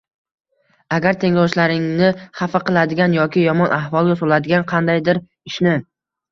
Agar tengdoshlaringni xafa qiladigan yoki yomon ahvolga soladigan qandaydir ishni